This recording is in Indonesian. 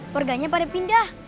warganya pada pindah